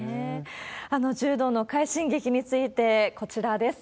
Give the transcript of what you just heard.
あの柔道の快進撃について、こちらです。